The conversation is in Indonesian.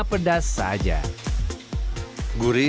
pedas saja gurih gurih